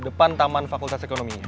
depan taman fakultas ekonominya